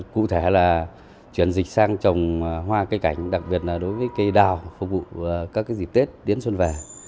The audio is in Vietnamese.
cụ thể là chuyển dịch sang trồng hoa cây cảnh đặc biệt là đối với cây đào phục vụ các dịp tết đến xuân về